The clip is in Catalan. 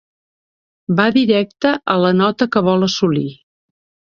Va directe a la nota que vol assolir.